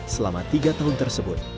selama tiga tahun tersebut